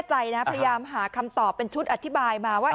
พยายามหาคำตอบเป็นชุดอธิบายมาว่า